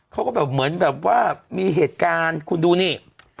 เขาก็แบบเหมือนแบบว่ามีเหตุการณ์คุณดูนี่